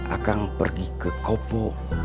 akang pergi ke kopo